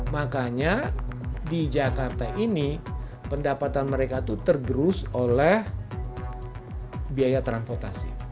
makanya di jakarta ini pendapatan mereka itu tergerus oleh biaya transportasi